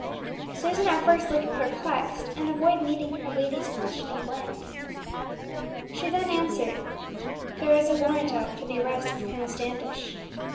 Susan at first looked perplexed, and avoided meeting her lady's questioning glance. She then answered, "There is a warrant out for the arrest of Colonel Standish."